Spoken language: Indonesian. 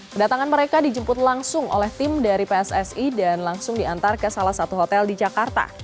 kedatangan mereka dijemput langsung oleh tim dari pssi dan langsung diantar ke salah satu hotel di jakarta